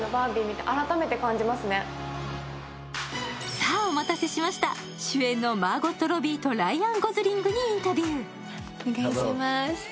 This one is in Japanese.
さあ、お待たせしました主演のマーゴット・ロビーとライアン・ゴズリングにインタビュー。